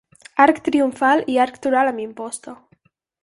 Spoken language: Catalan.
Arc triomfal i arc toral amb imposta.